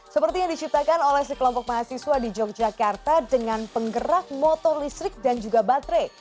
seperti yang diciptakan oleh sekelompok mahasiswa di yogyakarta dengan penggerak motor listrik dan juga baterai